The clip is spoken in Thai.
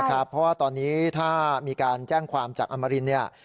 เพราะว่าตอนนี้ถ้ามีการแจ้งความจากอมรินเนี่ย